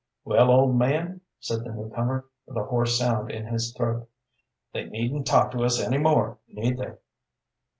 "Well, old man," said the new comer, with a hoarse sound in his throat, "they needn't talk to us any more, need they?"